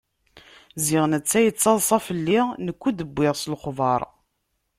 Ziɣ netta yattaḍṣa fell-i, nekk ur d-wwiɣ s lexbar.